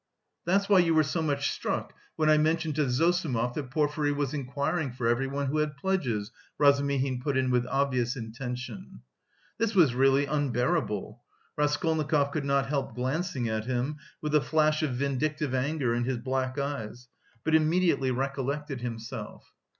"That's why you were so much struck when I mentioned to Zossimov that Porfiry was inquiring for everyone who had pledges!" Razumihin put in with obvious intention. This was really unbearable. Raskolnikov could not help glancing at him with a flash of vindictive anger in his black eyes, but immediately recollected himself.